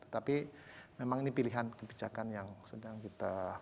tapi memang ini pilihan kebijakan yang sedang kita